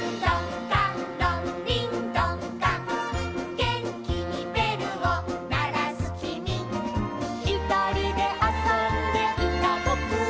「げんきにべるをならすきみ」「ひとりであそんでいたぼくは」